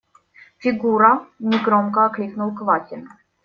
– Фигура! – негромко окликнул Квакин.